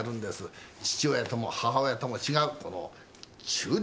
父親とも母親とも違うこの中立の立場でね。